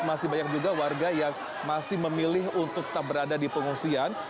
masih banyak juga warga yang masih memilih untuk tetap berada di pengungsian